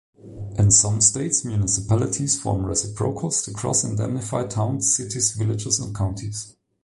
In some states, municipalities form reciprocals to cross-indemnify towns, cities, villages, and counties.